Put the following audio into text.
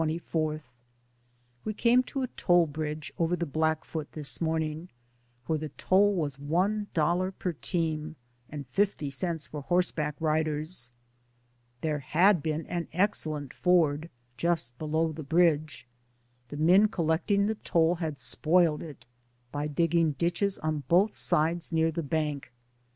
We came to a toll bridge over the Black foot this morning, where the toll was one dollar per team, and fifty cents for horseback riders. There had been an excellent ford just below the bridge. The men collecting the toll had spoiled it by digging ditches on both sides near the bank.